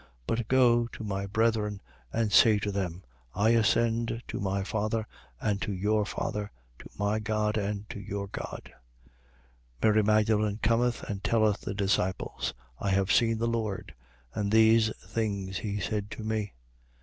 But go to my brethren and say to them: I ascend to my Father and to your Father, to my God and to your God. 20:18. Mary Magdalen cometh and telleth the disciples: I have seen the Lord; and these things he said to me.